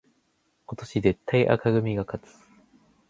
今年絶対紅組が勝つ